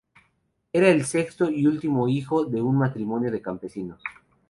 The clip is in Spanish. Era el sexto y último hijo de un matrimonio de campesinos.